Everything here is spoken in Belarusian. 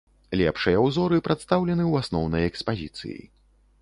Лепшыя ўзоры прадстаўлены ў асноўнай экспазіцыі.